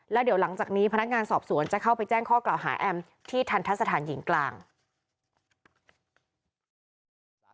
แล้วเดี๋ยวหลังจากนี้พนักงานสอบสวนจะเข้าไปแจ้งข้อกล่าวหาแอมที่ทันทะสถานหญิงกลาง